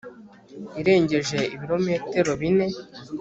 irengeje ibirometero bine